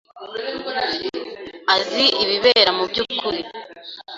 azi ibibera mubyukuri.